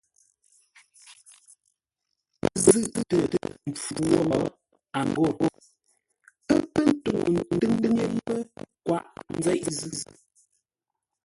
Pə́ zʉ̂ʼtə mpfu wo, a ghô: ə̰ pə́ ntúŋu ntʉ́ŋ yé pə́ kwaʼ nzeʼ zʉ́.